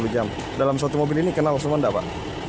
dua jam dalam satu mobil ini kenal semua enggak pak